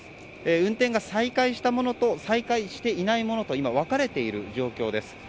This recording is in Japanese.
運転が再開したものと再開していないものと分かれている状況です。